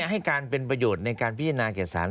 ให้การเป็นประโยชน์ในการพิจารณาแก่สาร